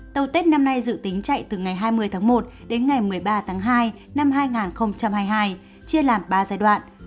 tàu tết năm nay dự tính chạy từ ngày hai mươi một đến ngày một mươi ba hai hai nghìn hai mươi hai chia làm ba giai đoạn